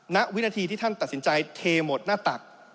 ณวินาทีที่ท่านตัดสินใจเทหมดหน้าตัก